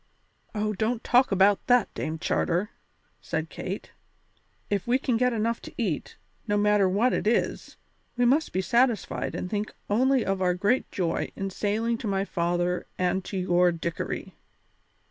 "Oh, don't talk about that, Dame Charter," said Kate; "if we can get enough to eat, no matter what it is, we must be satisfied and think only of our great joy in sailing to my father and to your Dickory."